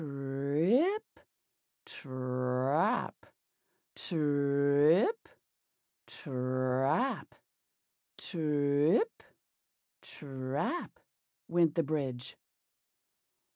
"TRIP, TRAP! TRIP, TRAP! TRIP, TRAP!" went the bridge.